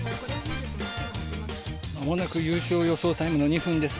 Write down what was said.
まもなく優勝予想タイムの２分です。